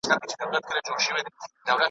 د ویرجینیا پسرلی او منی دواړه ښکلي دي .